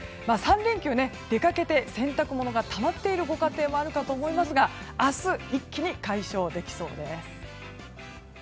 ３連休出かけて洗濯物がたまっているご家庭もあるかと思いますが明日、一気に解消できそうです。